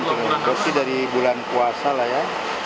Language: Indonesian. berarti dari bulan puasa lah ya